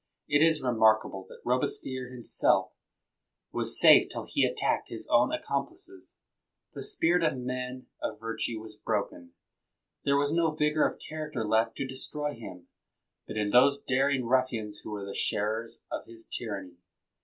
It is remarkable that Robespierre himself was safe till he attacked his own accomplices. The spirit of men of virtue was broken, and there was no vigor of character left to destroy him, but in those daring ruffians who were the sharers of his tyranny.